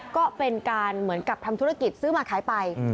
ก็เป็นการเหมือนกับทำธุรกิจซื้อมาขายไป